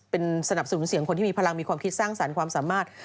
เป็นสนับสนุนเสียงคนที่มีพลังมีความคิดสร้างสรรค์ความสามารถ